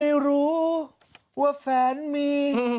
ไม่รู้ว่าแฟนมี